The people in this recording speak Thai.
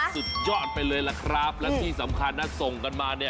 สุดยอดไปเลยล่ะครับและที่สำคัญนะส่งกันมาเนี่ย